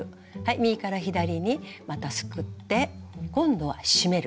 右から左にまたすくって今度は締める。